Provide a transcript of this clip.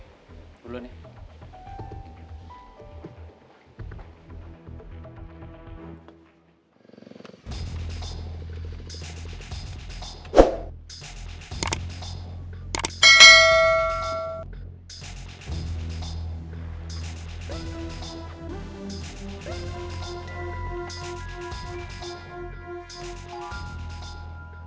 nggak ada yang mau kelihin gue